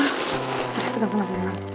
tunggu tunggu tunggu